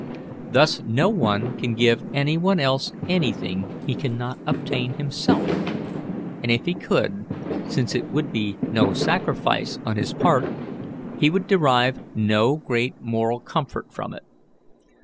Thus no one can give any one else anything he cannot obtain himself; and if he could, since it would be no sacrifice on his part, he would derive no great moral comfort from it.